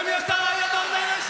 ありがとうございます。